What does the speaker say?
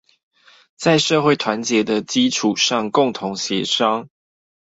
在社會團結的基礎上共同協商